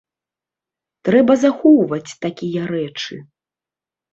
Трэба захоўваць такія рэчы.